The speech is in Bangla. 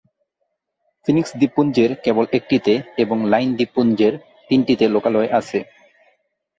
ফিনিক্স দ্বীপপুঞ্জের কেবল একটিতে এবং লাইন দ্বীপপুঞ্জের তিনটিতে লোকালয় আছে।